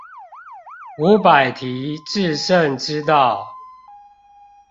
五百題致勝之道